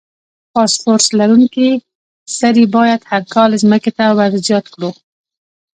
فاسفورس لرونکي سرې باید هر کال ځمکې ته ور زیات کړو.